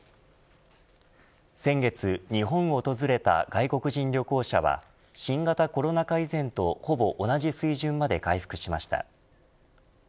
先月日本を訪れた外国人旅行者は新型コロナ禍以前とほぼ同じ水準まで回復しました。